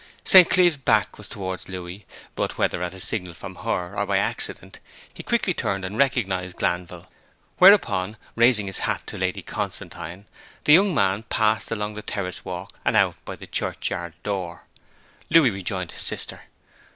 St. Cleeve's back was towards Louis, but, whether at a signal from her or by accident, he quickly turned and recognized Glanville; whereupon raising his hat to Lady Constantine the young man passed along the terrace walk and out by the churchyard door. Louis rejoined his sister.